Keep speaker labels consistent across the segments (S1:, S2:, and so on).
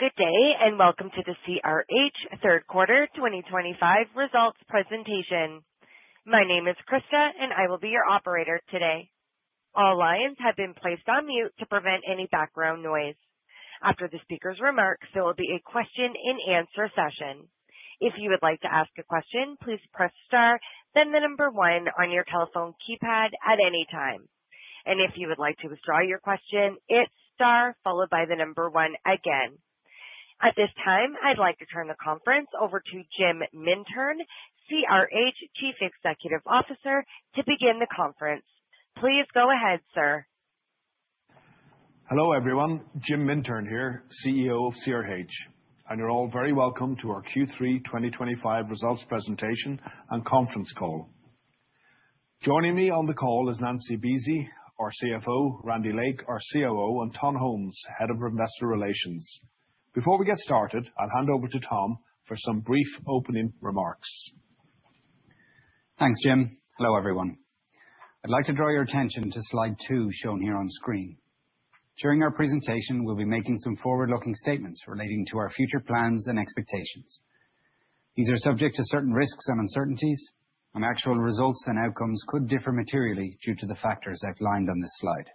S1: Good day and welcome to the CRH third quarter 2025 results presentation. My name is Krista, and I will be your operator today. All lines have been placed on mute to prevent any background noise. After the speaker's remarks, there will be a question-and-answer session. If you would like to ask a question, please press star, then the number one on your telephone keypad at any time. And if you would like to withdraw your question, it's star followed by the number one again. At this time, I'd like to turn the conference over to Jim Mintern, CRH Chief Executive Officer, to begin the conference. Please go ahead, sir.
S2: Hello everyone, Jim Mintern here, CEO of CRH, and you're all very welcome to our Q3 2025 results presentation and conference call. Joining me on the call is Nancy Buese, our CFO, Randy Lake, our COO, and Tom Holmes, Head of Investor Relations. Before we get started, I'll hand over to Tom for some brief opening remarks. Thanks, Jim. Hello everyone. I'd like to draw your attention to slide two shown here on screen. During our presentation, we'll be making some forward-looking statements relating to our future plans and expectations. These are subject to certain risks and uncertainties, and actual results and outcomes could differ materially due to the factors outlined on this slide.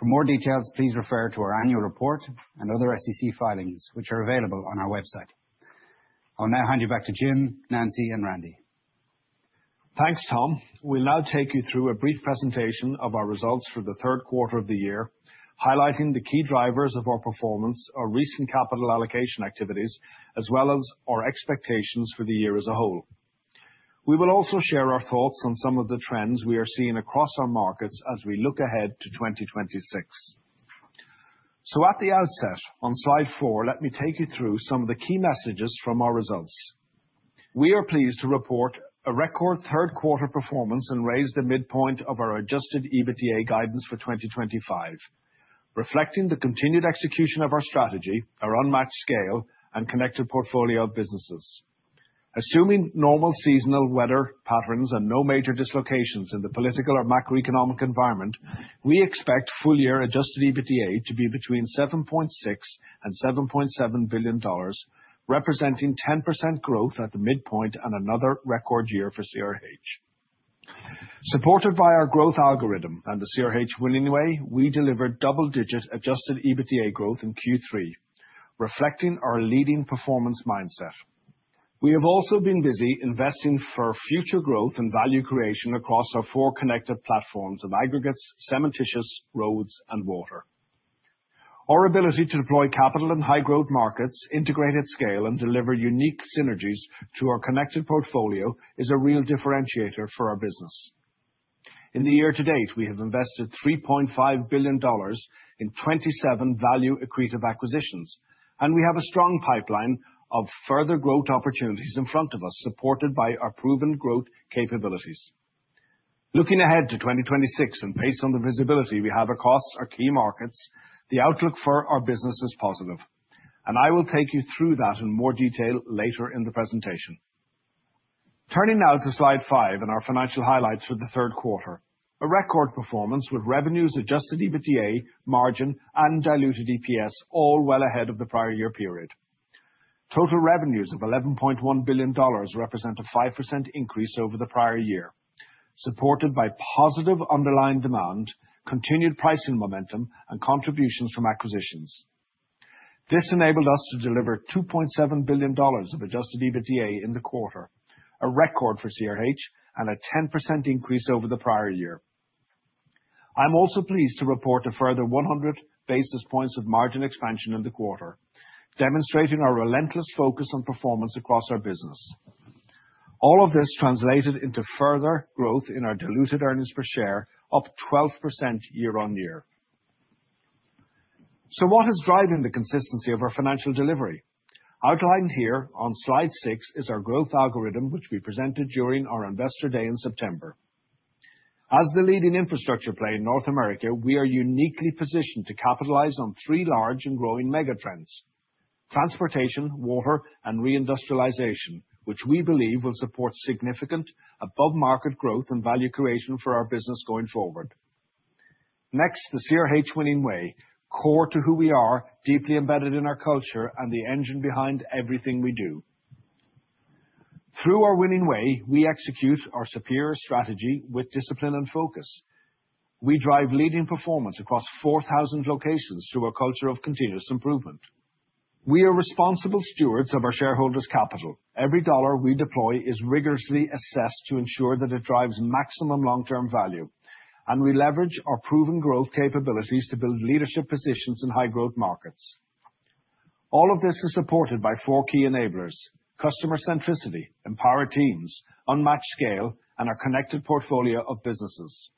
S2: For more details, please refer to our annual report and other SEC filings, which are available on our website. I'll now hand you back to Jim, Nancy, and Randy. Thanks, Tom. We'll now take you through a brief presentation of our results for the third quarter of the year, highlighting the key drivers of our performance, our recent capital allocation activities, as well as our expectations for the year as a whole. We will also share our thoughts on some of the trends we are seeing across our markets as we look ahead to 2026. So at the outset on slide four, let me take you through some of the key messages from our results. We are pleased to report a record third quarter performance and raise the midpoint of our Adjusted EBITDA guidance for 2025, reflecting the continued execution of our strategy, our unmatched scale, and Connected Portfolio of businesses. Assuming normal seasonal weather patterns and no major dislocations in the political or macroeconomic environment, we expect full year Adjusted EBITDA to be between 7.6 and $7.7 billion, representing 10% growth at the midpoint and another record year for CRH. Supported by our Growth algorithm and the CRH Winning Way, we delivered double-digit Adjusted EBITDA growth in Q3, reflecting our leading performance mindset. We have also been busy investing for future growth and value creation across our four connected platforms of aggregates, cementitious, roads, and water. Our ability to deploy capital in high-growth markets, integrate at scale, and deliver unique synergies through our Connected Portfolio is a real differentiator for our business. In the year to date, we have invested $3.5 billion in 27 value-accretive acquisitions, and we have a strong pipeline of further growth opportunities in front of us, supported by our proven growth capabilities. Looking ahead to 2026 and based on the visibility we have across our key markets, the outlook for our business is positive, and I will take you through that in more detail later in the presentation. Turning now to slide five in our financial highlights for the third quarter, a record performance with revenues, adjusted EBITDA, margin, and diluted EPS all well ahead of the prior year period. Total revenues of $11.1 billion represent a 5% increase over the prior year, supported by positive underlying demand, continued pricing momentum, and contributions from acquisitions. This enabled us to deliver $2.7 billion of adjusted EBITDA in the quarter, a record for CRH and a 10% increase over the prior year. I'm also pleased to report a further 100 basis points of margin expansion in the quarter, demonstrating our relentless focus on performance across our business. All of this translated into further growth in our diluted earnings per share, up 12% year-on-year. So what is driving the consistency of our financial delivery? Outlined here on slide six is our growth algorithm, which we presented during our investor day in September. As the leading infrastructure player in North America, we are uniquely positioned to capitalize on three large and growing mega trends: transportation, water, and reindustrialization, which we believe will support significant above-market growth and value creation for our business going forward. Next, the CRH Winning Way, core to who we are, deeply embedded in our culture and the engine behind everything we do. Through our Winning Way, we execute our superior strategy with discipline and focus. We drive leading performance across 4,000 locations through a culture of continuous improvement. We are responsible stewards of our shareholders' capital. Every dollar we deploy is rigorously assessed to ensure that it drives maximum long-term value, and we leverage our proven growth capabilities to build leadership positions in high-growth markets. All of this is supported by four key enablers: customer centricity, empower teams, unmatched scale, and our Connected Portfolio of businesses.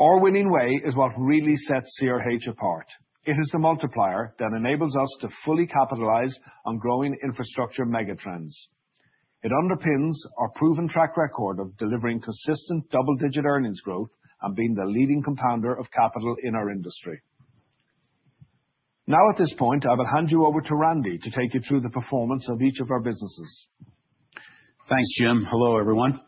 S2: Our Winning Way is what really sets CRH apart. It is the multiplier that enables us to fully capitalize on growing infrastructure mega trends. It underpins our proven track record of delivering consistent double-digit earnings growth and being the leading compounder of capital in our industry. Now, at this point, I will hand you over to Randy to take you through the performance of each of our businesses.
S3: Thanks, Jim. Hello everyone.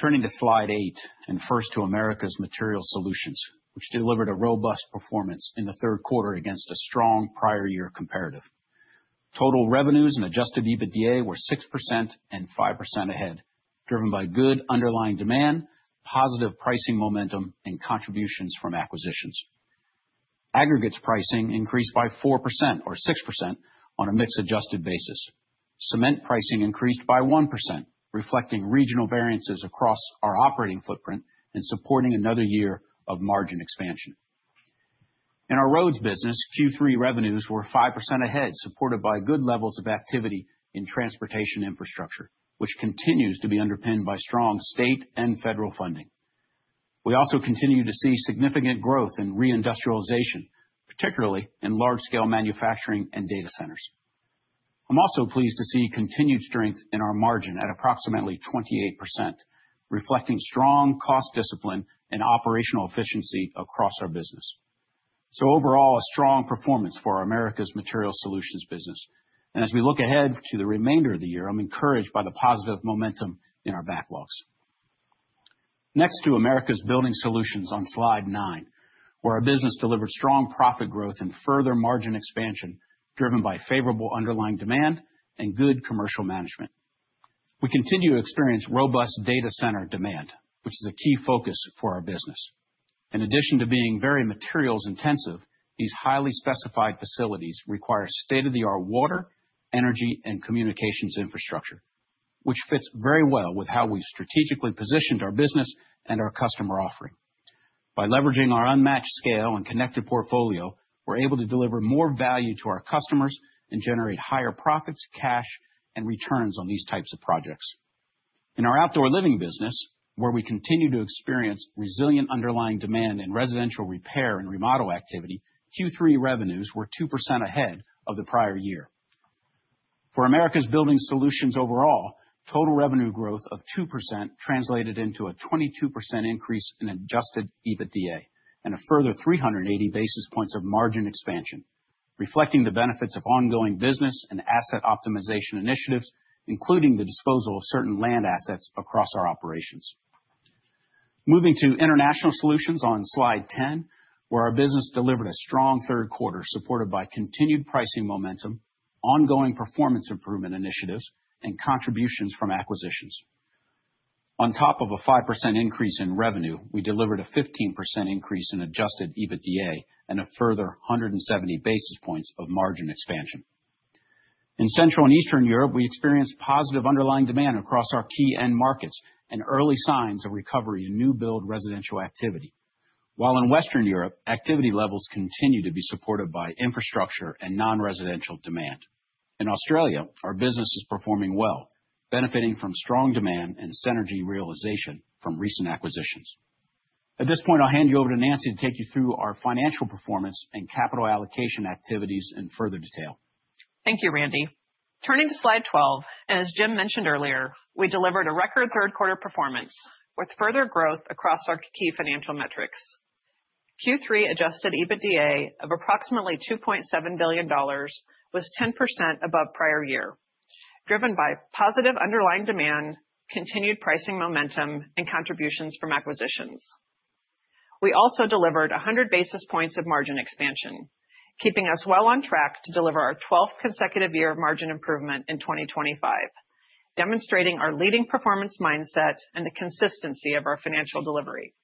S3: Turning to slide eight and first to Americas Materials Solutions, which delivered a robust performance in the third quarter against a strong prior year comparative. Total revenues and Adjusted EBITDA were 6% and 5% ahead, driven by good underlying demand, positive pricing momentum, and contributions from acquisitions. Aggregates pricing increased by 4% or 6% on a mix-adjusted basis. Cement pricing increased by 1%, reflecting regional variances across our operating footprint and supporting another year of margin expansion. In our roads business, Q3 revenues were 5% ahead, supported by good levels of activity in transportation infrastructure, which continues to be underpinned by strong state and federal funding. We also continue to see significant growth in reindustrialization, particularly in large-scale manufacturing and data centers. I'm also pleased to see continued strength in our margin at approximately 28%, reflecting strong cost discipline and operational efficiency across our business. Overall, a strong performance for our Americas Materials Solutions business. As we look ahead to the remainder of the year, I'm encouraged by the positive momentum in our backlogs. Next to Americas Building Solutions on slide nine, where our business delivered strong profit growth and further margin expansion driven by favorable underlying demand and good commercial management. We continue to experience robust data center demand, which is a key focus for our business. In addition to being very materials intensive, these highly specified facilities require state-of-the-art water, energy, and communications infrastructure, which fits very well with how we've strategically positioned our business and our customer offering. By leveraging our unmatched scale and Connected Portfolio, we're able to deliver more value to our customers and generate higher profits, cash, and returns on these types of projects. In our outdoor living business, where we continue to experience resilient underlying demand and residential repair and remodel activity, Q3 revenues were 2% ahead of the prior year. For Americas Building Solutions overall, total revenue growth of 2% translated into a 22% increase in Adjusted EBITDA and a further 380 basis points of margin expansion, reflecting the benefits of ongoing business and asset optimization initiatives, including the disposal of certain land assets across our operations. Moving to International Solutions on slide 10, where our business delivered a strong third quarter supported by continued pricing momentum, ongoing performance improvement initiatives, and contributions from acquisitions. On top of a 5% increase in revenue, we delivered a 15% increase in Adjusted EBITDA and a further 170 basis points of margin expansion. In Central and Eastern Europe, we experienced positive underlying demand across our key end markets and early signs of recovery in new-build residential activity. While in Western Europe, activity levels continue to be supported by infrastructure and non-residential demand. In Australia, our business is performing well, benefiting from strong demand and synergy realization from recent acquisitions. At this point, I'll hand you over to Nancy to take you through our financial performance and capital allocation activities in further detail.
S4: Thank you, Randy. Turning to slide 12, and as Jim mentioned earlier, we delivered a record third quarter performance with further growth across our key financial metrics. Q3 Adjusted EBITDA of approximately $2.7 billion was 10% above prior year, driven by positive underlying demand, continued pricing momentum, and contributions from acquisitions. We also delivered 100 basis points of margin expansion, keeping us well on track to deliver our 12th consecutive year of margin improvement in 2025, demonstrating our leading performance mindset and the consistency of our financial delivery.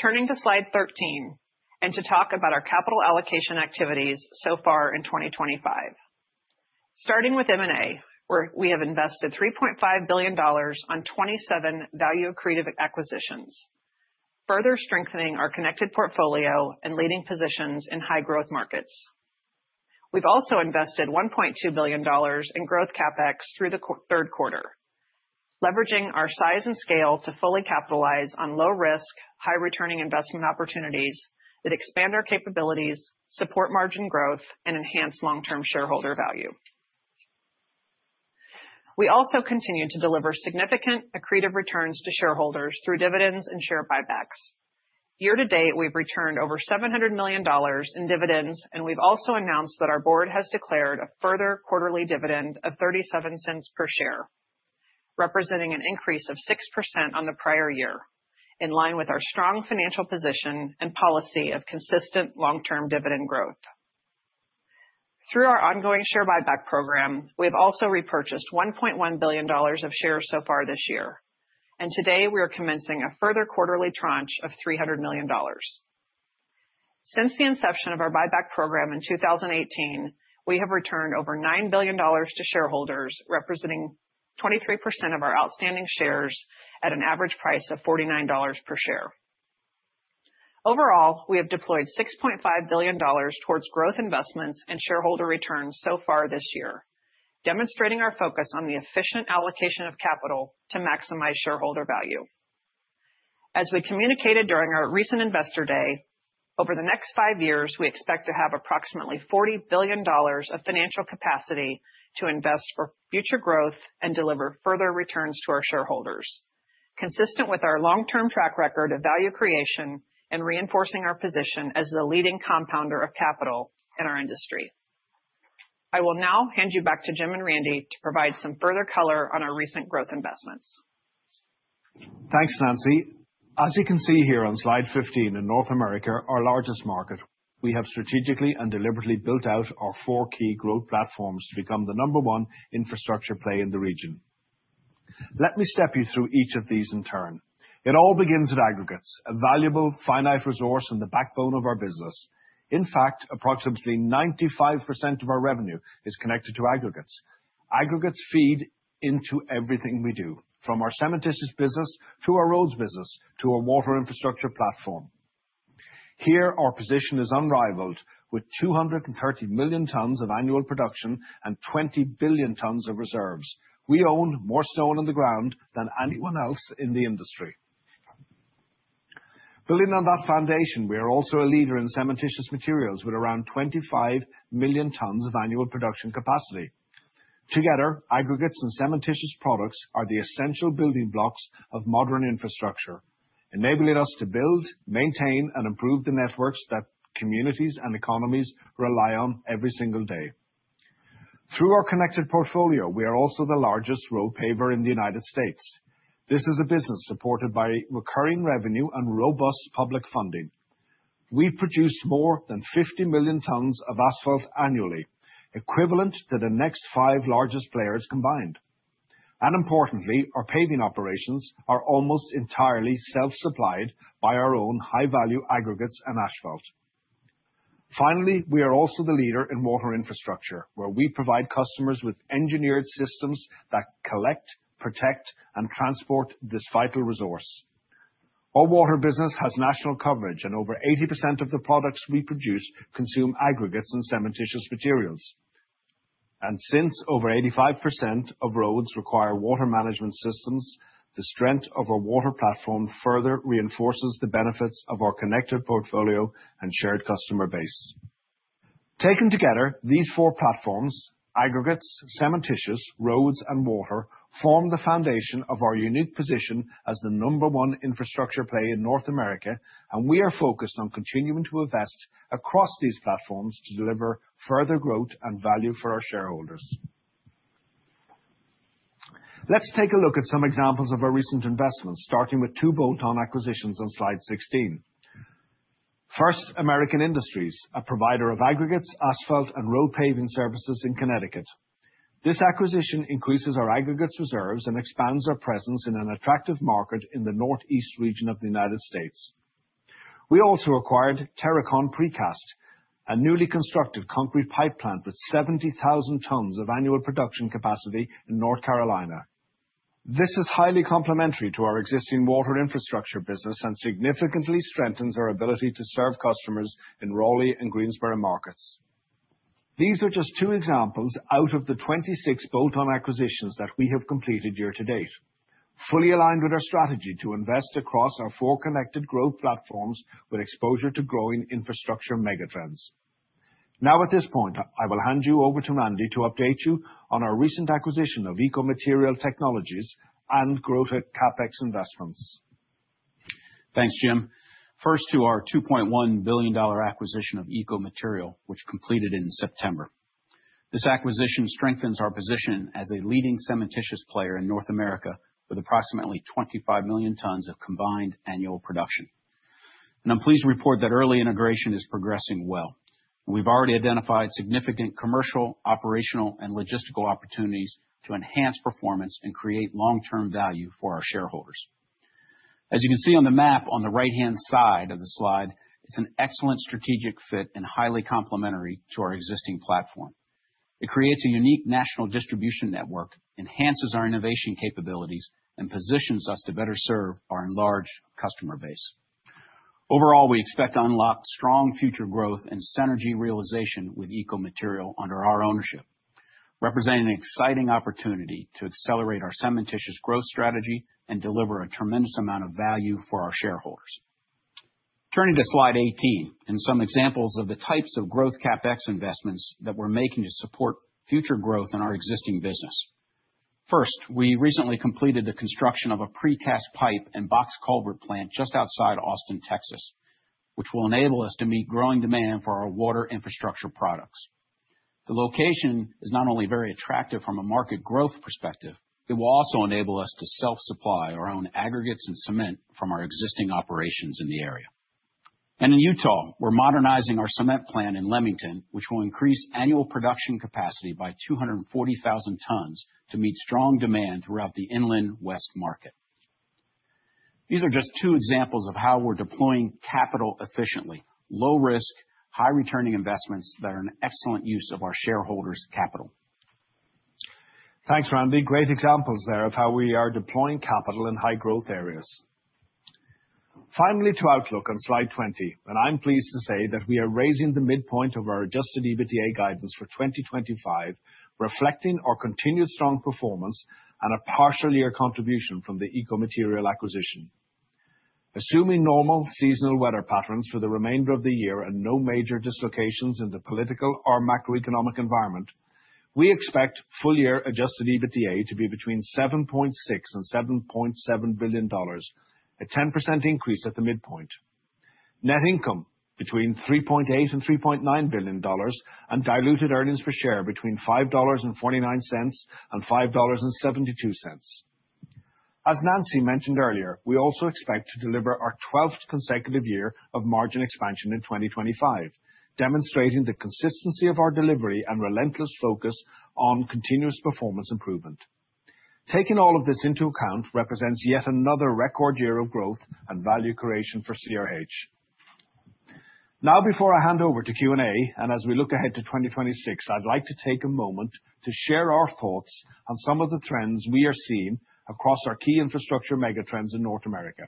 S4: Turning to slide 13 and to talk about our capital allocation activities so far in 2025. Starting with M&A, where we have invested $3.5 billion on 27 value accretive acquisitions, further strengthening our Connected Portfolio and leading positions in high-growth markets. We've also invested $1.2 billion in growth CapEx through the third quarter, leveraging our size and scale to fully capitalize on low-risk, high-returning investment opportunities that expand our capabilities, support margin growth, and enhance long-term shareholder value. We also continue to deliver significant accretive returns to shareholders through dividends and share buybacks. Year to date, we've returned over $700 million in dividends, and we've also announced that our board has declared a further quarterly dividend of 0.37 per share, representing an increase of 6% on the prior year, in line with our strong financial position and policy of consistent long-term dividend growth. Through our ongoing share buyback program, we have also repurchased $1.1 billion of shares so far this year, and today we are commencing a further quarterly tranche of $300 million. Since the inception of our buyback program in 2018, we have returned over $9 billion to shareholders, representing 23% of our outstanding shares at an average price of $49 per share. Overall, we have deployed $6.5 billion towards growth investments and shareholder returns so far this year, demonstrating our focus on the efficient allocation of capital to maximize shareholder value. As we communicated during our recent investor day, over the next five years, we expect to have approximately $40 billion of financial capacity to invest for future growth and deliver further returns to our shareholders, consistent with our long-term track record of value creation and reinforcing our position as the leading compounder of capital in our industry. I will now hand you back to Jim and Randy to provide some further color on our recent growth investments.
S2: Thanks, Nancy. As you can see here on slide 15 in North America, our largest market, we have strategically and deliberately built out our four key growth platforms to become the number one infrastructure player in the region. Let me step you through each of these in turn. It all begins at aggregates, a valuable finite resource in the backbone of our business. In fact, approximately 95% of our revenue is connected to aggregates. Aggregates feed into everything we do, from our cementitious business to our roads business to our water infrastructure platform. Here, our position is unrivaled with 230 million tons of annual production and 20 billion tons of reserves. We own more stone on the ground than anyone else in the industry. Building on that foundation, we are also a leader in cementitious materials with around 25 million tons of annual production capacity. Together, aggregates and cementitious products are the essential building blocks of modern infrastructure, enabling us to build, maintain, and improve the networks that communities and economies rely on every single day. Through our Connected Portfolio, we are also the largest road paver in the United States. This is a business supported by recurring revenue and robust public funding. We produce more than 50 million tons of asphalt annually, equivalent to the next five largest players combined. And importantly, our paving operations are almost entirely self-supplied by our own high-value aggregates and asphalt. Finally, we are also the leader in water infrastructure, where we provide customers with engineered systems that collect, protect, and transport this vital resource. Our water business has national coverage, and over 80% of the products we produce consume aggregates and cementitious materials. Since over 85% of roads require water management systems, the strength of our water platform further reinforces the benefits of our Connected Portfolio and shared customer base. Taken together, these four platforms, aggregates, cementitious, roads, and water form the foundation of our unique position as the number one infrastructure player in North America, and we are focused on continuing to invest across these platforms to deliver further growth and value for our shareholders. Let's take a look at some examples of our recent investments, starting with two bolt-on acquisitions on slide 16. First, American Industries, a provider of aggregates, asphalt, and road paving services in Connecticut. This acquisition increases our aggregates reserves and expands our presence in an attractive market in the Northeast region of the United States. We also acquired Terracon Precast, a newly constructed concrete pipe plant with 70,000 tons of annual production capacity in North Carolina. This is highly complementary to our existing water infrastructure business and significantly strengthens our ability to serve customers in Raleigh and Greensboro markets. These are just two examples out of the 26 bolt-on acquisitions that we have completed year to date, fully aligned with our strategy to invest across our four connected growth platforms with exposure to growing infrastructure mega trends. Now, at this point, I will hand you over to Randy to update you on our recent acquisition of Eco Material Technologies and growth CapEx investments.
S3: Thanks, Jim. First, to our $2.1 billion acquisition of Eco Material, which completed in September. This acquisition strengthens our position as a leading cementitious player in North America with approximately 25 million tons of combined annual production. And I'm pleased to report that early integration is progressing well. We've already identified significant commercial, operational, and logistical opportunities to enhance performance and create long-term value for our shareholders. As you can see on the map on the right-hand side of the slide, it's an excellent strategic fit and highly complementary to our existing platform. It creates a unique national distribution network, enhances our innovation capabilities, and positions us to better serve our enlarged customer base. Overall, we expect to unlock strong future growth and synergy realization with Eco Material under our ownership, representing an exciting opportunity to accelerate our cementitious growth strategy and deliver a tremendous amount of value for our shareholders. Turning to slide 18 and some examples of the types of growth CapEx investments that we're making to support future growth in our existing business. First, we recently completed the construction of a precast pipe and box culvert plant just outside Austin, Texas, which will enable us to meet growing demand for our water infrastructure products. The location is not only very attractive from a market growth perspective. It will also enable us to self-supply our own aggregates and cement from our existing operations in the area, and in Utah, we're modernizing our cement plant in Leamington, which will increase annual production capacity by 240,000 tons to meet strong demand throughout the Inland West market. These are just two examples of how we're deploying capital efficiently, low-risk, high-returning investments that are an excellent use of our shareholders' capital.
S2: Thanks, Randy. Great examples there of how we are deploying capital in high-growth areas. Finally, to Outlook on slide 20, and I'm pleased to say that we are raising the midpoint of our adjusted EBITDA guidance for 2025, reflecting our continued strong performance and a partial year contribution from the Eco Material acquisition. Assuming normal seasonal weather patterns for the remainder of the year and no major dislocations in the political or macroeconomic environment, we expect full-year adjusted EBITDA to be between 7.6 billion and $7.7 billion, a 10% increase at the midpoint, net income between 3.8 billion and $3.9 billion, and diluted earnings per share between $5.49 and $5.72. As Nancy mentioned earlier, we also expect to deliver our 12th consecutive year of margin expansion in 2025, demonstrating the consistency of our delivery and relentless focus on continuous performance improvement. Taking all of this into account represents yet another record year of growth and value creation for CRH. Now, before I hand over to Q&A and as we look ahead to 2026, I'd like to take a moment to share our thoughts on some of the trends we are seeing across our key infrastructure mega trends in North America.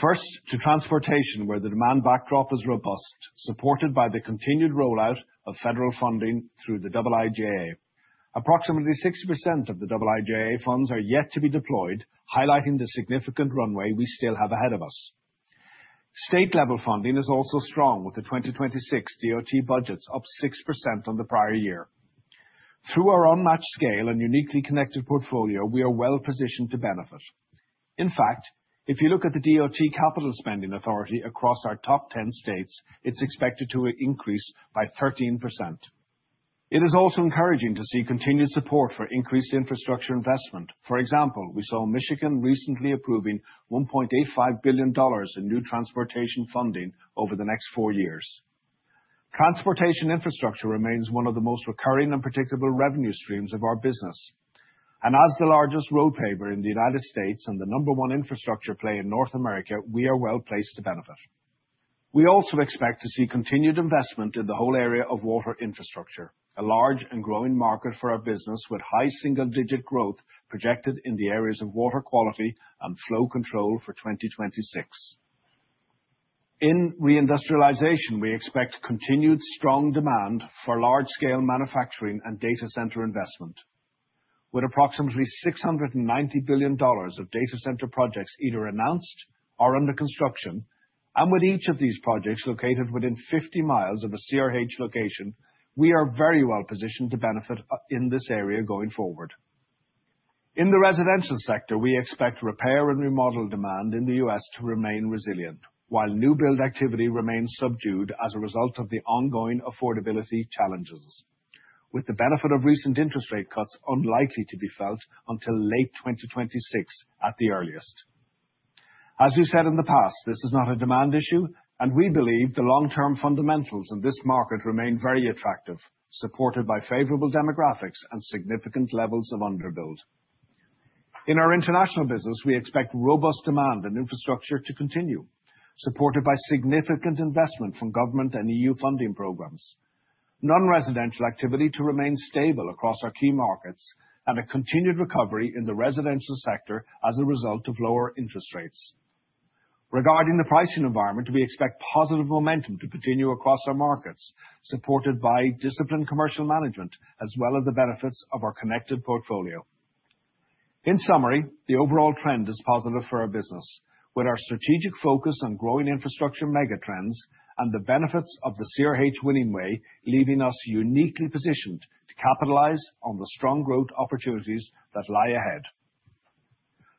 S2: First, to transportation, where the demand backdrop is robust, supported by the continued rollout of federal funding through the IIJA. Approximately 60% of the IIJA funds are yet to be deployed, highlighting the significant runway we still have ahead of us. State-level funding is also strong with the 2026 DOT budgets up 6% on the prior year. Through our unmatched scale and uniquely Connected Portfolio, we are well positioned to benefit. In fact, if you look at the DOT capital spending authority across our top 10 states, it's expected to increase by 13%. It is also encouraging to see continued support for increased infrastructure investment. For example, we saw Michigan recently approving $1.85 billion in new transportation funding over the next four years. Transportation infrastructure remains one of the most recurring and predictable revenue streams of our business. And as the largest road paver in the United States and the number one infrastructure player in North America, we are well placed to benefit. We also expect to see continued investment in the whole area of water infrastructure, a large and growing market for our business with high single-digit growth projected in the areas of water quality and flow control for 2026. In reindustrialization, we expect continued strong demand for large-scale manufacturing and data center investment. With approximately $690 billion of data center projects either announced or under construction, and with each of these projects located within 50 miles of a CRH location, we are very well positioned to benefit in this area going forward. In the residential sector, we expect repair and remodel demand in the U.S. to remain resilient, while new build activity remains subdued as a result of the ongoing affordability challenges, with the benefit of recent interest rate cuts unlikely to be felt until late 2026 at the earliest. As we've said in the past, this is not a demand issue, and we believe the long-term fundamentals in this market remain very attractive, supported by favorable demographics and significant levels of underbuilt. In our international business, we expect robust demand and infrastructure to continue, supported by significant investment from government and EU funding programs, non-residential activity to remain stable across our key markets, and a continued recovery in the residential sector as a result of lower interest rates. Regarding the pricing environment, we expect positive momentum to continue across our markets, supported by disciplined commercial management, as well as the benefits of our Connected Portfolio. In summary, the overall trend is positive for our business, with our strategic focus on growing infrastructure mega trends and the benefits of the CRH Winning Way, leaving us uniquely positioned to capitalize on the strong growth opportunities that lie ahead.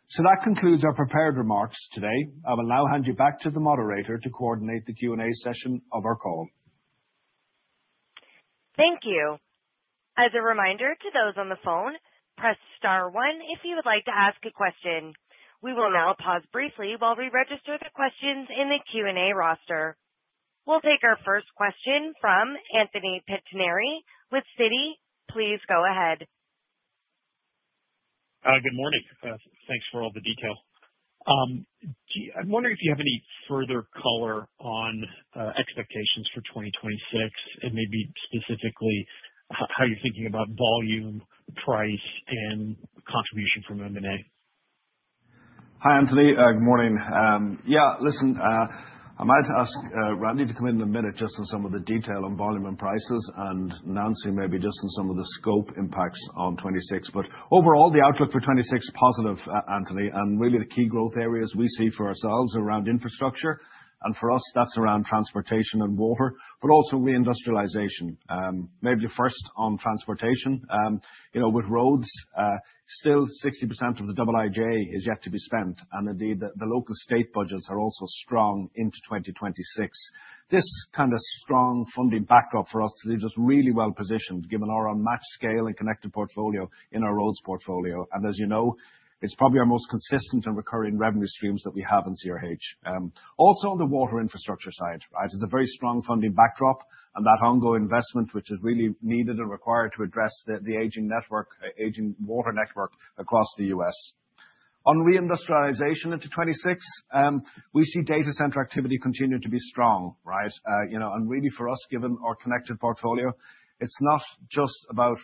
S2: So that concludes our prepared remarks today. I will now hand you back to the moderator to coordinate the Q&A session of our call.
S5: Thank you. As a reminder to those on the phone, press star one if you would like to ask a question. We will now pause briefly while we register the questions in the Q&A roster. We'll take our first question from Anthony Pettinari with Citi. Please go ahead.
S6: Good morning. Thanks for all the details. I'm wondering if you have any further color on expectations for 2026, and maybe specifically how you're thinking about volume, price, and contribution from M&A.
S2: Hi, Anthony. Good morning. Yeah, listen, I might ask Randy to come in in a minute just on some of the detail on volume and prices, and Nancy maybe just on some of the scope impacts on 26. But overall, the outlook for 26 is positive, Anthony, and really the key growth areas we see for ourselves are around infrastructure, and for us, that's around transportation and water, but also reindustrialization. Maybe first on transportation, with roads, still 60% of the IIJA is yet to be spent, and indeed, the local state budgets are also strong into 2026. This kind of strong funding backdrop for us is just really well positioned, given our unmatched scale and Connected Portfolio in our roads portfolio. And as you know, it's probably our most consistent and recurring revenue streams that we have in CRH. Also on the water infrastructure side, right, it's a very strong funding backdrop, and that ongoing investment, which is really needed and required to address the aging water network across the U.S. On reindustrialization into 26, we see data center activity continue to be strong, right? And really for us, given our Connected Portfolio, it's not just about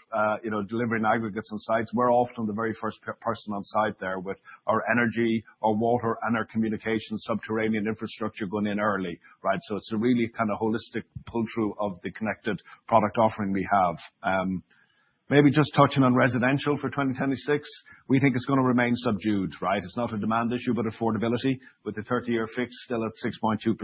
S2: delivering aggregates on sites. We're often the very first person on site there with our energy, our water, and our communication subterranean infrastructure going in early, right? So it's a really kind of holistic pull-through of the connected product offering we have. Maybe just touching on residential for 2026, we think it's going to remain subdued, right? It's not a demand issue, but affordability with the 30-year fix still at 6.2%,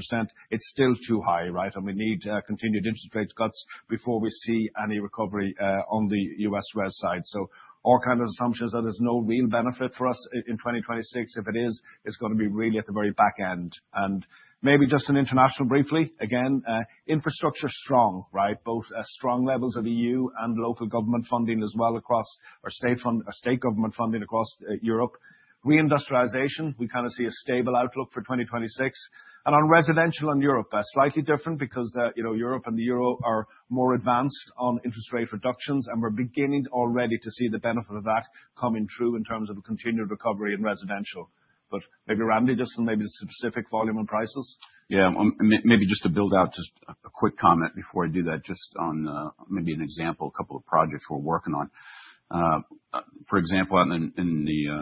S2: it's still too high, right? And we need continued interest rate cuts before we see any recovery on the U.S. Residential side. So all kinds of assumptions that there's no real benefit for us in 2026. If it is, it's going to be really at the very back end. And maybe just on international briefly, again, infrastructure strong, right? Both strong levels of EU and local government funding as well across our state government funding across Europe. Reindustrialization, we kind of see a stable outlook for 2026. And on residential in Europe, slightly different because Europe and the euro are more advanced on interest rate reductions, and we're beginning already to see the benefit of that coming true in terms of continued recovery in residential. But maybe Randy, just maybe the specific volume and prices.
S3: Yeah, maybe just to build out just a quick comment before I do that, just on maybe an example, a couple of projects we're working on. For example, in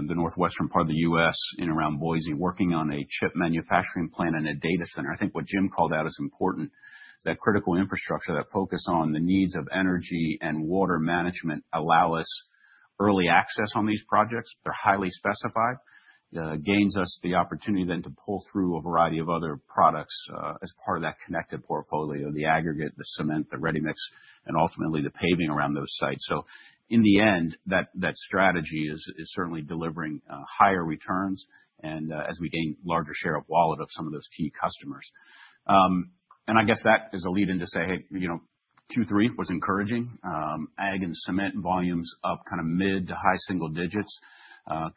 S3: the northwestern part of the U.S., in and around Boise, working on a chip manufacturing plant and a data center. I think what Jim called out is important, is that critical infrastructure, that focus on the needs of energy and water management allow us early access on these projects. They're highly specified, gains us the opportunity then to pull through a variety of other products as part of that Connected Portfolio, the aggregate, the cement, the ready mix, and ultimately the paving around those sites, so in the end, that strategy is certainly delivering higher returns as we gain larger share of wallet of some of those key customers. I guess that is a lead-in to say, hey, Q3 was encouraging. Ag and cement volumes up kind of mid to high single digits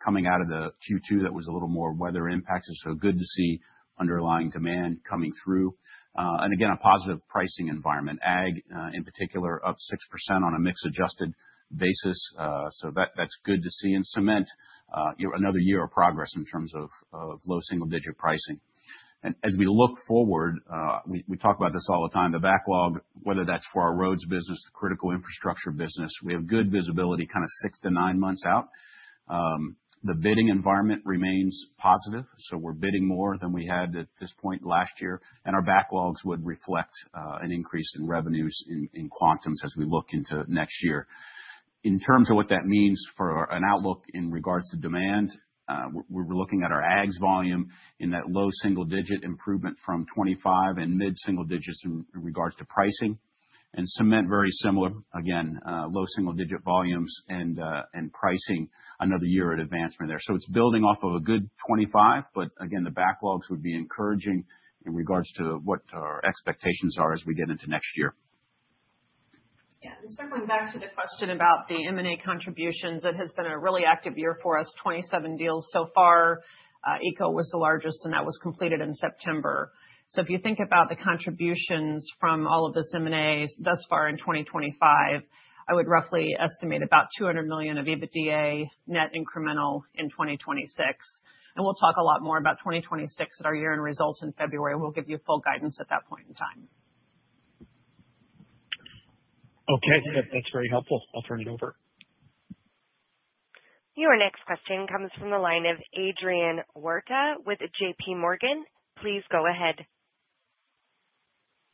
S3: coming out of the Q2 that was a little more weather impacted. So good to see underlying demand coming through. And again, a positive pricing environment. Ag in particular, up 6% on a mix-adjusted basis. So that's good to see. And cement, another year of progress in terms of low single-digit pricing. And as we look forward, we talk about this all the time, the backlog, whether that's for our roads business, the critical infrastructure business, we have good visibility kind of six to nine months out. The bidding environment remains positive. So we're bidding more than we had at this point last year. And our backlogs would reflect an increase in revenues in quantum as we look into next year. In terms of what that means for an outlook in regards to demand, we were looking at our aggs volume in that low single-digit improvement from 25 and mid single digits in regards to pricing. And cement, very similar, again, low single-digit volumes and pricing, another year of advancement there. So it's building off of a good 25, but again, the backlogs would be encouraging in regards to what our expectations are as we get into next year.
S4: Yeah, circling back to the question about the M&A contributions, it has been a really active year for us, 27 deals so far. ECO was the largest, and that was completed in September. So if you think about the contributions from all of this M&A thus far in 2025, I would roughly estimate about 200 million of EBITDA net incremental in 2026. And we'll talk a lot more about 2026 at our year-end results in February. We'll give you full guidance at that point in time.
S6: Okay, that's very helpful. I'll turn it over.
S1: Your next question comes from the line of Adrian Huerta with JPMorgan. Please go ahead.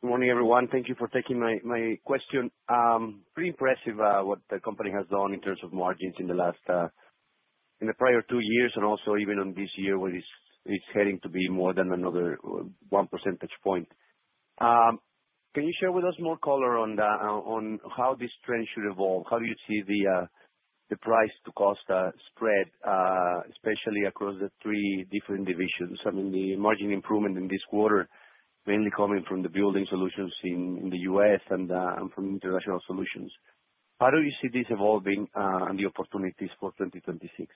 S7: Good morning, everyone. Thank you for taking my question. Pretty impressive what the company has done in terms of margins in the prior two years and also even on this year where it's heading to be more than another one percentage point. Can you share with us more color on how this trend should evolve? How do you see the price-to-cost spread, especially across the three different divisions? I mean, the margin improvement in this quarter mainly coming from the building solutions in the U.S. and from International Solutions. How do you see this evolving and the opportunities for 2026?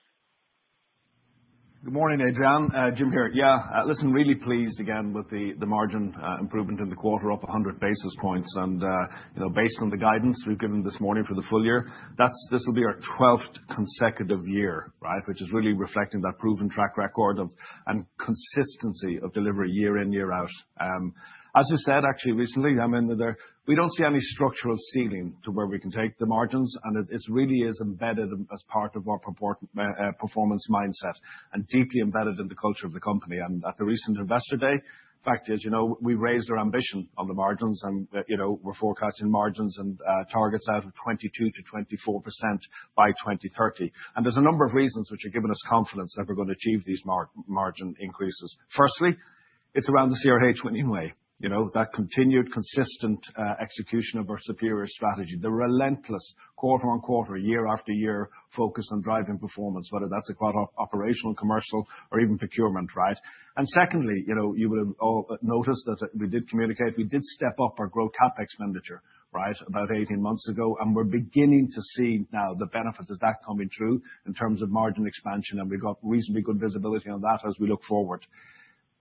S2: Good morning, Adrian. Jim here. Yeah, listen, really pleased again with the margin improvement in the quarter, up 100 basis points. And based on the guidance we've given this morning for the full year, this will be our 12th consecutive year, right, which is really reflecting that proven track record of consistency of delivery year in, year out. As you said, actually, I mean, we don't see any structural ceiling to where we can take the margins, and it really is embedded as part of our performance mindset and deeply embedded in the culture of the company. And at the recent investor day, in fact, as you know, we raised our ambition on the margins, and we're forecasting margins and targets out of 22-24% by 2030. And there's a number of reasons which are giving us confidence that we're going to achieve these margin increases. Firstly, it's around the CRH Winning Way, that continued consistent execution of our superior strategy, the relentless quarter-on-quarter, year-after-year focus on driving performance, whether that's operational, commercial, or even procurement, right? And secondly, you will notice that we did communicate, we did step up our growth CapEx, right, about 18 months ago, and we're beginning to see now the benefits as that coming true in terms of margin expansion, and we've got reasonably good visibility on that as we look forward.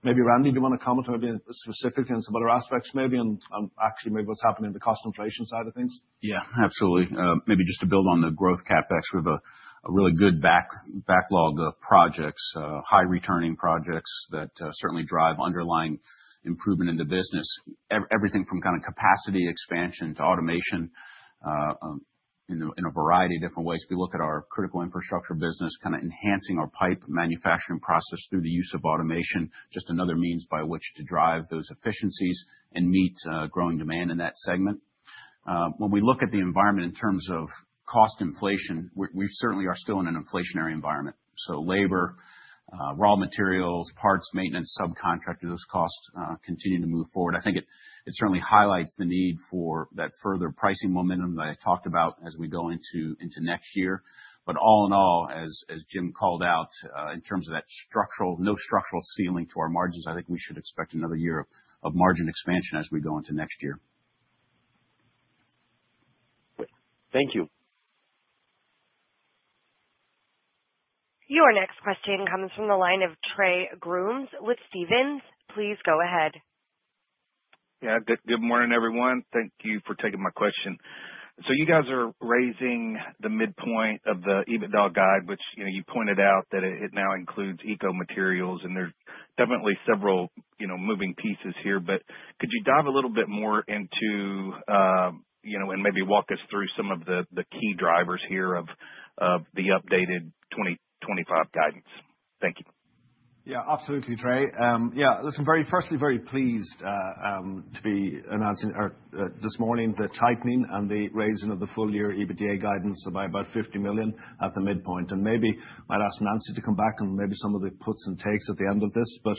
S2: Maybe Randy, do you want to comment specifically on some other aspects, maybe, and actually maybe what's happening in the cost inflation side of things?
S3: Yeah, absolutely. Maybe just to build on the growth CapEx, we have a really good backlog of projects, high-returning projects that certainly drive underlying improvement in the business, everything from kind of capacity expansion to automation in a variety of different ways. We look at our critical infrastructure business, kind of enhancing our pipe manufacturing process through the use of automation, just another means by which to drive those efficiencies and meet growing demand in that segment. When we look at the environment in terms of cost inflation, we certainly are still in an inflationary environment. So labor, raw materials, parts, maintenance, subcontractors, those costs continue to move forward. I think it certainly highlights the need for that further pricing momentum that I talked about as we go into next year. But all in all, as Jim called out, in terms of that no structural ceiling to our margins, I think we should expect another year of margin expansion as we go into next year.
S7: Thank you.
S1: Your next question comes from the line of Trey Grooms with Stephens. Please go ahead.
S8: Yeah, good morning, everyone. Thank you for taking my question. So you guys are raising the midpoint of the EBITDA guide, which you pointed out that it now includes Eco Materials, and there's definitely several moving pieces here. But could you dive a little bit more into and maybe walk us through some of the key drivers here of the updated 2025 guidance? Thank you.
S2: Yeah, absolutely, Trey. Yeah, listen, very firstly, very pleased to be announcing this morning the tightening and the raising of the full-year EBITDA guidance by about 50 million at the midpoint. And maybe I'd ask Nancy to come back on maybe some of the puts and takes at the end of this. But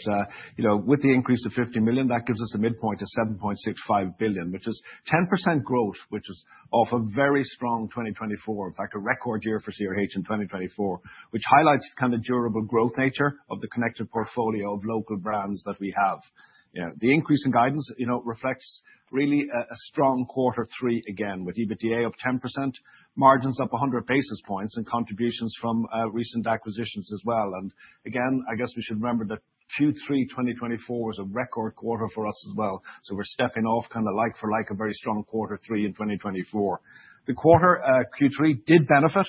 S2: with the increase of 50 million, that gives us a midpoint of 7.65 billion, which is 10% growth, which is off a very strong 2024, in fact, a record year for CRH in 2024, which highlights the kind of durable growth nature of the Connected Portfolio of local brands that we have. The increase in guidance reflects really a strong quarter three again, with EBITDA of 10%, margins up 100 basis points, and contributions from recent acquisitions as well. And again, I guess we should remember that Q3 2024 was a record quarter for us as well. We're stepping off kind of like for like a very strong quarter three in 2024. The quarter Q3 did benefit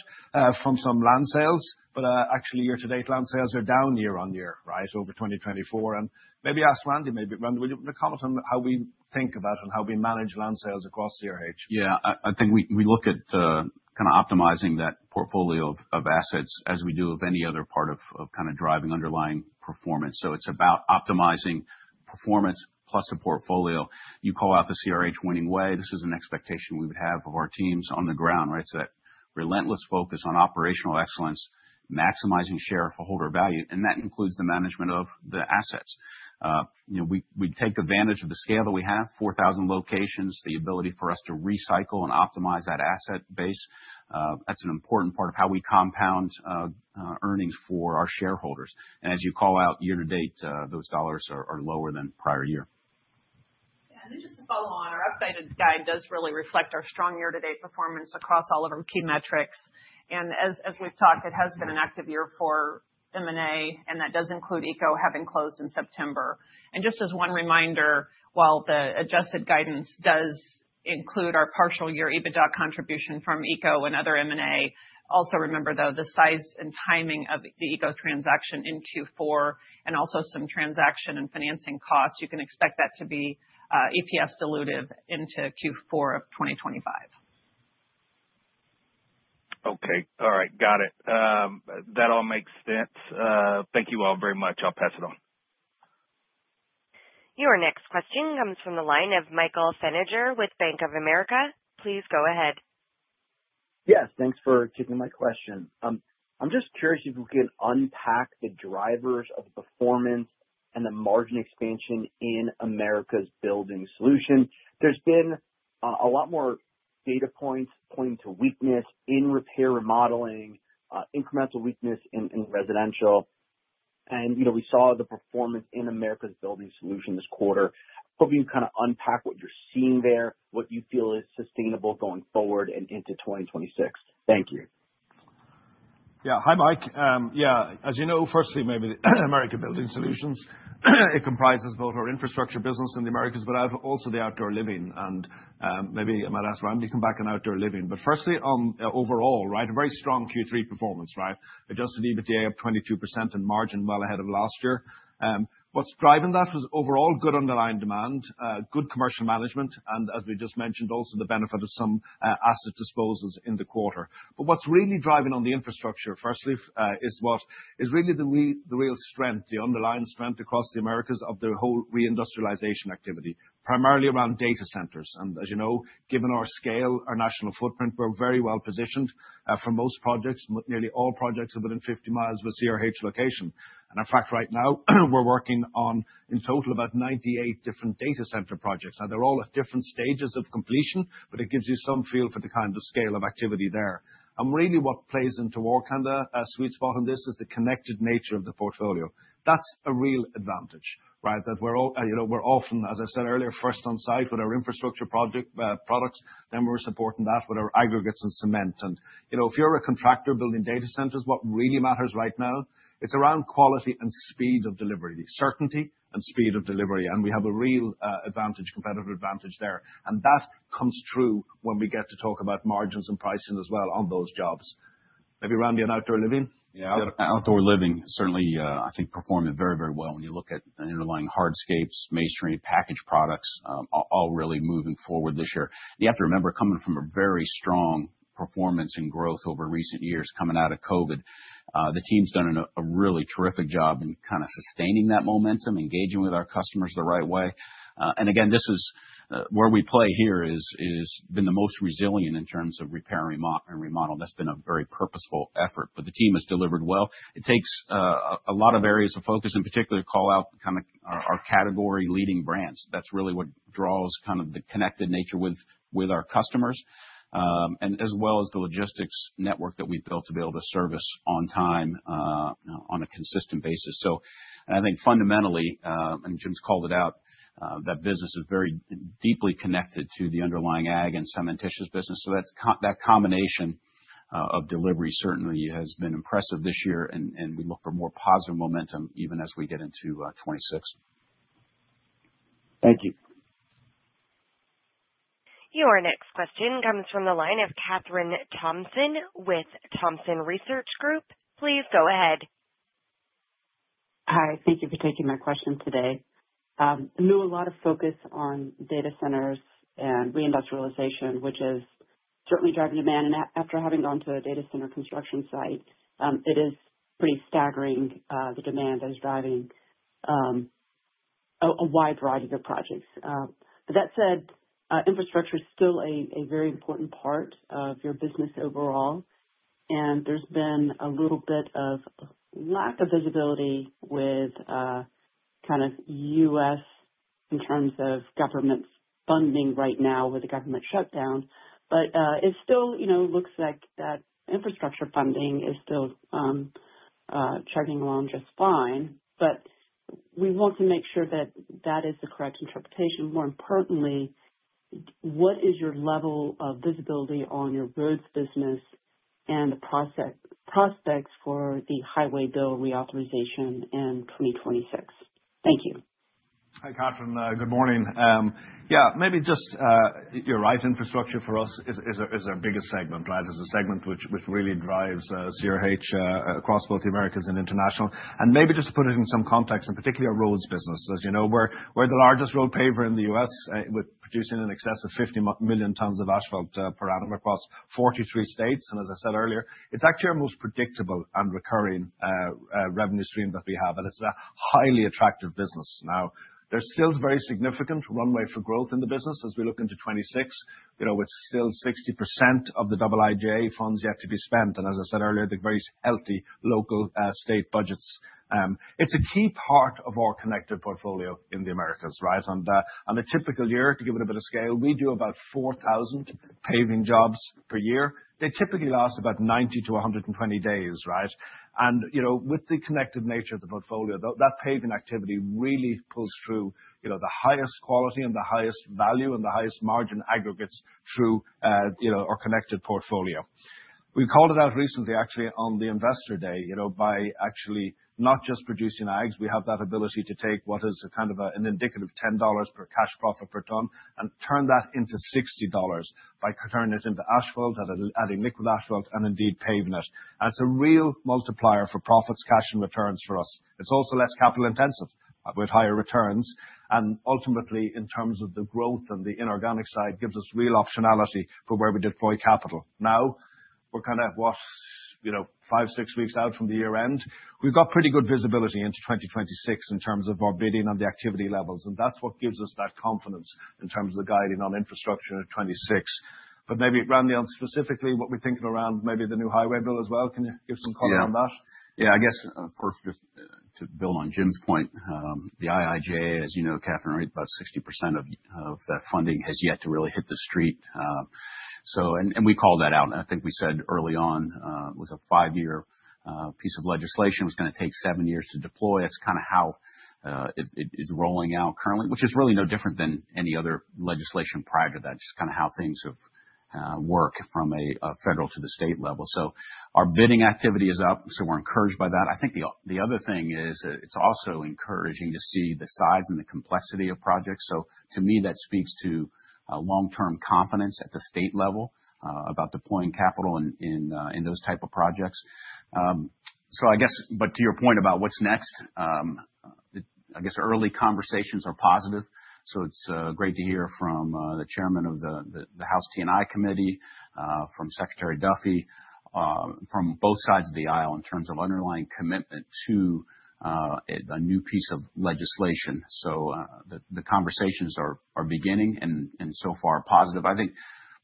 S2: from some land sales, but actually year-to-date land sales are down year on year, right, over 2024. Maybe ask Randy, would you want to comment on how we think about and how we manage land sales across CRH?
S3: Yeah, I think we look at kind of optimizing that portfolio of assets as we do of any other part of kind of driving underlying performance. So it's about optimizing performance plus a portfolio. You call out the CRH Winning Way. This is an expectation we would have of our teams on the ground, right? So that relentless focus on operational excellence, maximizing shareholder value, and that includes the management of the assets. We take advantage of the scale that we have, 4,000 locations, the ability for us to recycle and optimize that asset base. That's an important part of how we compound earnings for our shareholders. And as you call out year-to-date, those dollars are lower than prior year.
S4: Yeah, and then just to follow on, our updated guide does really reflect our strong year-to-date performance across all of our key metrics. And as we've talked, it has been an active year for M&A, and that does include ECO having closed in September. And just as one reminder, while the adjusted guidance does include our partial year EBITDA contribution from ECO and other M&A, also remember though the size and timing of the ECO transaction in Q4 and also some transaction and financing costs. You can expect that to be EPS dilutive into Q4 of 2025.
S8: Okay, all right, got it. That all makes sense. Thank you all very much. I'll pass it on.
S1: Your next question comes from the line of Michael Feniger with Bank of America. Please go ahead.
S9: Yes, thanks for taking my question. I'm just curious if we can unpack the drivers of performance and the margin expansion in Americas Building Solutions. There's been a lot more data points pointing to weakness in repair remodeling, incremental weakness in residential. And we saw the performance in Americas Building Solutions this quarter. Hoping you kind of unpack what you're seeing there, what you feel is sustainable going forward and into 2026. Thank you.
S2: Yeah, hi Mike. Yeah, as you know, firstly, maybe the Americas Building Solutions, it comprises both our infrastructure business in the Americas, but also the outdoor living. And maybe I might ask Randy to come back on outdoor living. But firstly, overall, right, very strong Q3 performance, right? Adjusted EBITDA of 22% and margin well ahead of last year. What's driving that was overall good underlying demand, good commercial management, and as we just mentioned, also the benefit of some asset disposals in the quarter. But what's really driving on the infrastructure firstly is what is really the real strength, the underlying strength across the Americas of the whole reindustrialization activity, primarily around data centers. And as you know, given our scale, our national footprint, we're very well positioned for most projects, nearly all projects within 50 miles of a CRH location. In fact, right now, we're working on in total about 98 different data center projects. Now, they're all at different stages of completion, but it gives you some feel for the kind of scale of activity there. Really what plays into our kind of sweet spot on this is the connected nature of the portfolio. That's a real advantage, right? That we're often, as I said earlier, first on site with our infrastructure products, then we're supporting that with our aggregates and cement. If you're a contractor building data centers, what really matters right now, it's around quality and speed of delivery, certainty and speed of delivery. We have a real advantage, competitive advantage there. That comes true when we get to talk about margins and pricing as well on those jobs. Maybe Randy on outdoor living?
S3: Yeah, outdoor living certainly, I think, performed very, very well when you look at underlying hardscapes, masonry, package products, all really moving forward this year. You have to remember coming from a very strong performance and growth over recent years coming out of COVID. The team's done a really terrific job in kind of sustaining that momentum, engaging with our customers the right way, and again, this is where we play here has been the most resilient in terms of repair and remodel. That's been a very purposeful effort, but the team has delivered well. It takes a lot of areas of focus, in particular, call out kind of our category leading brands. That's really what draws kind of the connected nature with our customers and as well as the logistics network that we've built to be able to service on time on a consistent basis. So I think fundamentally, and Jim's called it out, that business is very deeply connected to the underlying ag and cementitious business. So that combination of delivery certainly has been impressive this year, and we look for more positive momentum even as we get into 26.
S9: Thank you.
S1: Your next question comes from the line of Kathryn Thompson with Thompson Research Group. Please go ahead.
S10: Hi, thank you for taking my question today. I know a lot of focus on data centers and reindustrialization, which is certainly driving demand and after having gone to a data center construction site, it is pretty staggering the demand that is driving a wide variety of projects but that said, infrastructure is still a very important part of your business overall and there's been a little bit of lack of visibility with kind of U.S. in terms of government funding right now with the government shutdown but it still looks like that infrastructure funding is still chugging along just fine but we want to make sure that that is the correct interpretation. More importantly, what is your level of visibility on your roads business and the prospects for the highway bill reauthorization in 2026? Thank you.
S2: Hi, Catherine. Good morning. Yeah, maybe just you're right, infrastructure for us is our biggest segment, right? It's a segment which really drives CRH across both the Americas and international. And maybe just to put it in some context, and particularly our roads business, as you know, we're the largest road paver in the U.S. with producing in excess of 50 million tons of asphalt per annum across 43 states. And as I said earlier, it's actually our most predictable and recurring revenue stream that we have, and it's a highly attractive business. Now, there's still a very significant runway for growth in the business as we look into 26. It's still 60% of the IIJA funds yet to be spent. And as I said earlier, the very healthy local state budgets. It's a key part of our Connected Portfolio in the Americas, right? The typical year, to give it a bit of scale, we do about 4,000 paving jobs per year. They typically last about 90-120 days, right? With the connected nature of the portfolio, that paving activity really pulls through the highest quality and the highest value and the highest margin aggregates through our Connected Portfolio. We called it out recently, actually, on the investor day, by actually not just producing ags. We have that ability to take what is kind of an indicative $10 per cash profit per ton and turn that into $60 by turning it into asphalt, adding liquid asphalt, and indeed paving it. It's a real multiplier for profits, cash, and returns for us. It's also less capital intensive with higher returns. Ultimately, in terms of the growth and the inorganic side, it gives us real optionality for where we deploy capital. Now, we're kind of what, five, six weeks out from the year end. We've got pretty good visibility into 2026 in terms of our bidding and the activity levels. And that's what gives us that confidence in terms of the guiding on infrastructure in 26. But maybe, Randy, on specifically what we're thinking around maybe the new highway bill as well. Can you give some color on that?
S3: Yeah, I guess, of course, to build on Jim's point, the IIJA, as you know, Kathryn, right, about 60% of that funding has yet to really hit the street. And we called that out. I think we said early on it was a five-year piece of legislation. It was going to take seven years to deploy. That's kind of how it's rolling out currently, which is really no different than any other legislation prior to that, just kind of how things work from a federal to the state level. So our bidding activity is up, so we're encouraged by that. I think the other thing is it's also encouraging to see the size and the complexity of projects. So to me, that speaks to long-term confidence at the state level about deploying capital in those types of projects. So I guess, but to your point about what's next, I guess early conversations are positive. So it's great to hear from the chairman of the House T&I Committee, from Secretary Duffy, from both sides of the aisle in terms of underlying commitment to a new piece of legislation. So the conversations are beginning and so far positive. I think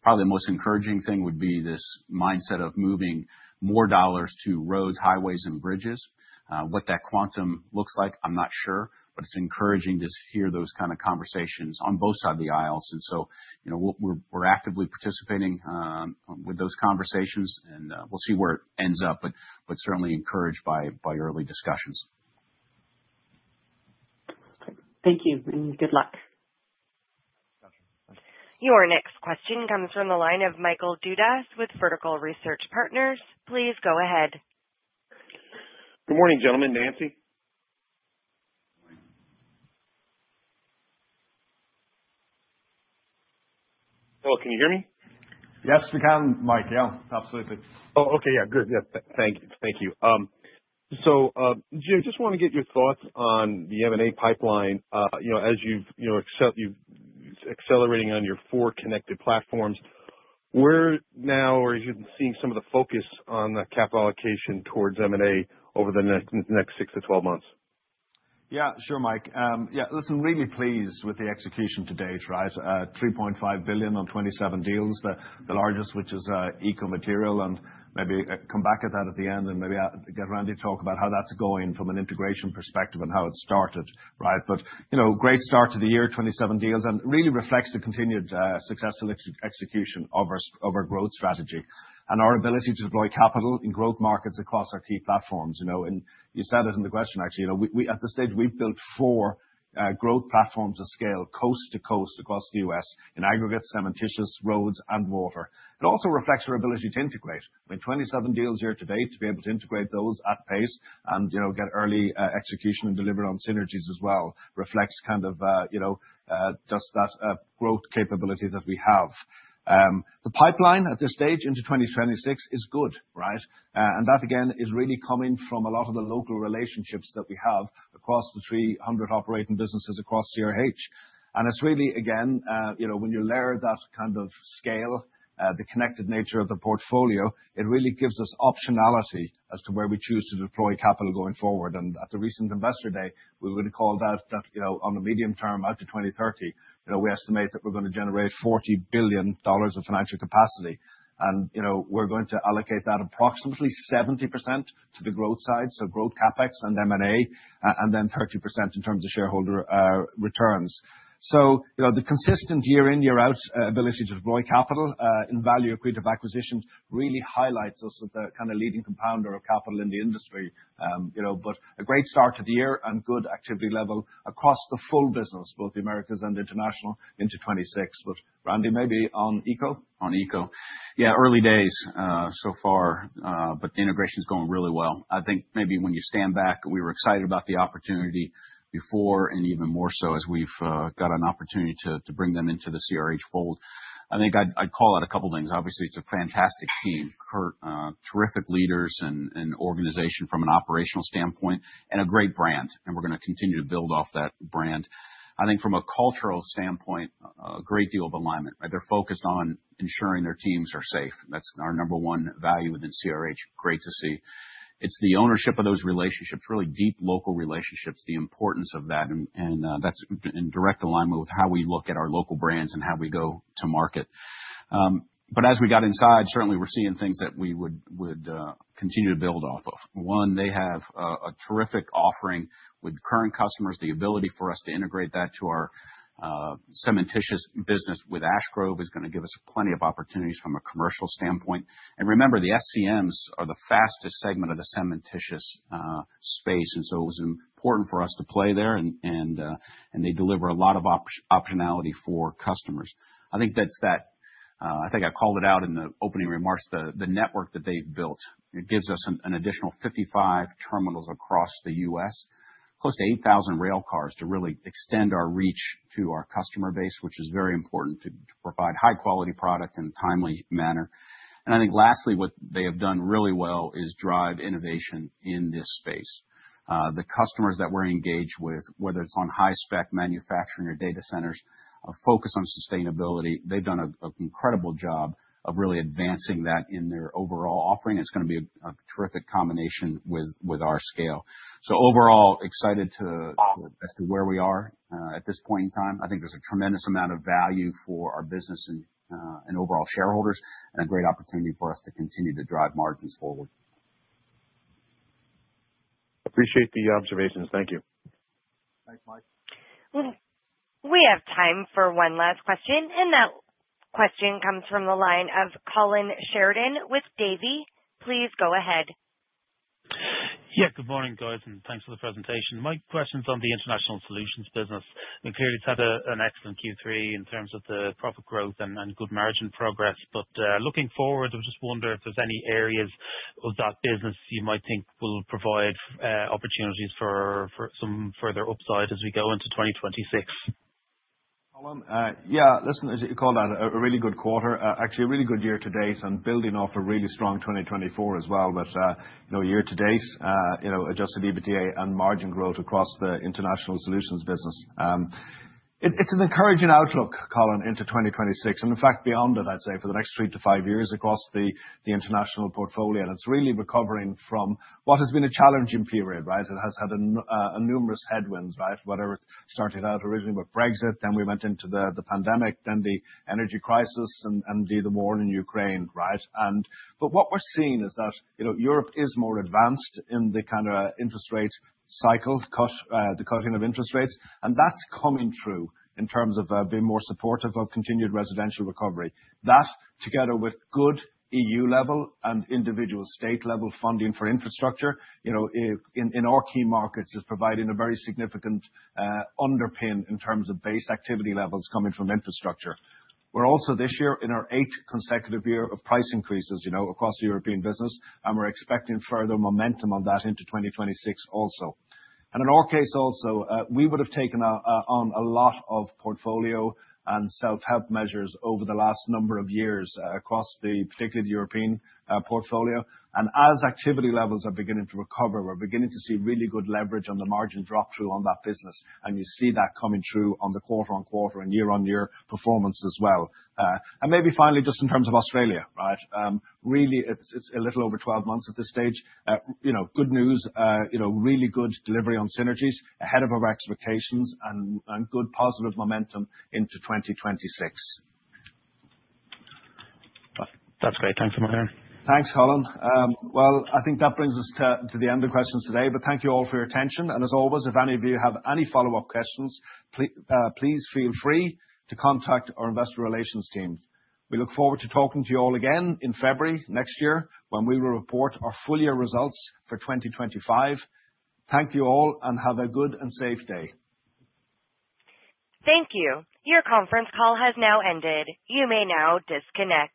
S3: probably the most encouraging thing would be this mindset of moving more dollars to roads, highways, and bridges. What that quantum looks like, I'm not sure, but it's encouraging to hear those kinds of conversations on both sides of the aisle. And so we're actively participating with those conversations, and we'll see where it ends up, but certainly encouraged by early discussions.
S10: Thank you, and good luck.
S1: Your next question comes from the line of Michael Dudas with Vertical Research Partners. Please go ahead.
S11: Good morning, gentlemen. Nancy. Hello, can you hear me?
S2: Yes, we can, Mike. Yeah, absolutely.
S11: Oh, okay. Yeah, good. Yeah, thank you. Thank you. So Jim, just want to get your thoughts on the M&A pipeline as you've accelerating on your four connected platforms. Where now are you seeing some of the focus on the capital allocation towards M&A over the next 6-12 months?
S2: Yeah, sure, Mike. Yeah, listen, really pleased with the execution to date, right? 3.5 billion on 27 deals, the largest, which is Eco Material. And maybe come back at that at the end and maybe get Randy to talk about how that's going from an integration perspective and how it started, right? But great start to the year, 27 deals, and really reflects the continued successful execution of our growth strategy and our ability to deploy capital in growth markets across our key platforms. And you said it in the question, actually. At this stage, we've built four growth platforms of scale coast to coast across the U.S. in aggregates, cementitious, roads, and water. It also reflects our ability to integrate. I mean, 27 deals year to date to be able to integrate those at pace and get early execution and delivery on synergies as well reflects kind of just that growth capability that we have. The pipeline at this stage into 2026 is good, right? And that, again, is really coming from a lot of the local relationships that we have across the 300 operating businesses across CRH. And it's really, again, when you layer that kind of scale, the connected nature of the portfolio, it really gives us optionality as to where we choose to deploy capital going forward. And at the recent investor day, we were going to call that on the medium term out to 2030. We estimate that we're going to generate $40 billion of financial capacity. We're going to allocate that approximately 70% to the growth side, so growth CapEx and M&A, and then 30% in terms of shareholder returns. So the consistent year-in, year-out ability to deploy capital in value-accretive acquisitions really highlights us as the kind of leading compounder of capital in the industry. But a great start to the year and good activity level across the full business, both the Americas and international into 26. But Randy, maybe on Eco?
S3: On Eco Material. Yeah, early days so far, but the integration is going really well. I think maybe when you stand back, we were excited about the opportunity before and even more so as we've got an opportunity to bring them into the CRH fold. I think I'd call out a couple of things. Obviously, it's a fantastic team, terrific leaders and organization from an operational standpoint, and a great brand, and we're going to continue to build off that brand. I think from a cultural standpoint, a great deal of alignment. They're focused on ensuring their teams are safe. That's our number one value within CRH. Great to see. It's the ownership of those relationships, really deep local relationships, the importance of that, and that's in direct alignment with how we look at our local brands and how we go to market. But as we got inside, certainly we're seeing things that we would continue to build off of. One, they have a terrific offering with current customers. The ability for us to integrate that to our cementitious business with Ash Grove is going to give us plenty of opportunities from a commercial standpoint. And remember, the SCMs are the fastest segment of the cementitious space. And so it was important for us to play there, and they deliver a lot of optionality for customers. I think that's that. I think I called it out in the opening remarks, the network that they've built, it gives us an additional 55 terminals across the U.S., close to 8,000 rail cars to really extend our reach to our customer base, which is very important to provide high-quality product in a timely manner. And I think lastly, what they have done really well is drive innovation in this space. The customers that we're engaged with, whether it's on high-spec manufacturing or data centers, focus on sustainability. They've done an incredible job of really advancing that in their overall offering. It's going to be a terrific combination with our scale. So overall, excited to where we are at this point in time. I think there's a tremendous amount of value for our business and overall shareholders and a great opportunity for us to continue to drive margins forward.
S11: Appreciate the observations. Thank you.
S2: Thanks, Mike.
S1: We have time for one last question. And that question comes from the line of Colin Sheridan with Davy. Please go ahead.
S12: Yeah, good morning, guys, and thanks for the presentation. My question's on the International Solutions business. We've clearly had an excellent Q3 in terms of the profit growth and good margin progress. But looking forward, I just wonder if there's any areas of that business you might think will provide opportunities for some further upside as we go into 2026?
S2: Colin, yeah, listen, as you called out, a really good quarter. Actually, a really good year to date, and building off a really strong 2024 as well with year to date, Adjusted EBITDA and margin growth across the International Solutions business. It's an encouraging outlook, Colin, into 2026, and in fact, beyond it. I'd say, for the next three to five years across the international portfolio, and it's really recovering from what has been a challenging period, right? It has had numerous headwinds, right? Whatever started out originally with Brexit, then we went into the pandemic, then the energy crisis, and the war in Ukraine, right? But what we're seeing is that Europe is more advanced in the kind of interest rate cycle, the cutting of interest rates, and that's coming true in terms of being more supportive of continued residential recovery. That, together with good EU level and individual state level funding for infrastructure, in our key markets, is providing a very significant underpin in terms of base activity levels coming from infrastructure. We're also this year in our eighth consecutive year of price increases across the European business, and we're expecting further momentum on that into 2026 also. And in our case also, we would have taken on a lot of portfolio and self-help measures over the last number of years across particularly the European portfolio. And as activity levels are beginning to recover, we're beginning to see really good leverage on the margin drop through on that business. And you see that coming true on the quarter-on-quarter and year-on-year performance as well. And maybe finally, just in terms of Australia, right? Really, it's a little over 12 months at this stage. Good news, really good delivery on synergies ahead of our expectations and good positive momentum into 2026.
S4: That's great. Thanks for my turn.
S2: Thanks, Colin. Well, I think that brings us to the end of questions today. But thank you all for your attention. And as always, if any of you have any follow-up questions, please feel free to contact our Investor Relations team
S1: Thank you. Your conference call has now ended. You may now disconnect.